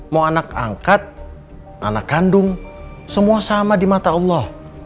mau anak angkat anak kandung semua sama di mata allah